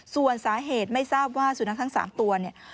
ส่วนสาเหตุไม่ทราบว่าสุนัขทั้ง๓ตัวเนี่ย